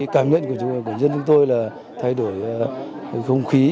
cảm nhận của dân chúng tôi là thay đổi không khí